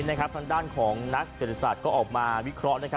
ทางด้านของนักเศรษฐศาสตร์ก็ออกมาวิเคราะห์